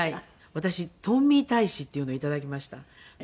私トンミー大使っていうのをいただきました。